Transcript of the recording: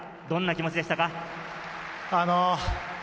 どんな気持ちでしたか？